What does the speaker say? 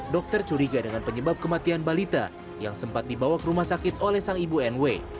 dokter curiga dengan penyebab kematian balita yang sempat dibawa ke rumah sakit oleh sang ibu nw